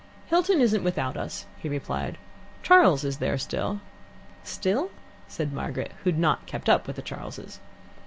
"Hilton isn't without us," he replied. "Charles is there still." "Still?" said Margaret, who had not kept up with the Charles'.